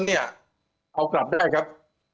ใครเขากลับได้ครับ